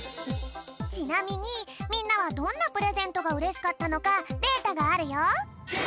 ちなみにみんなはどんなプレゼントがうれしかったのかデータがあるよ。